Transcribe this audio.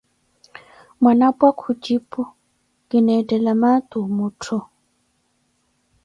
Mwanapwa kujipu: Kineethela maati omuttho.